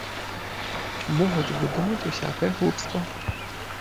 Могуць выдумаць усякае глупства.